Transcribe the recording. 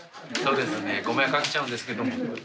そうですね。ご迷惑かけちゃうんですけども。